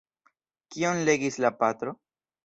Kion legis la patro?